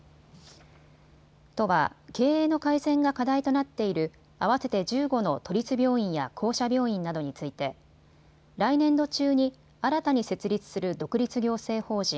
都は経営の改善が課題となっている合わせて１５の都立病院や公社病院などについて来年度中に新たに設立する独立行政法人